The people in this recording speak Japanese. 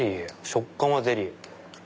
食感はゼリー。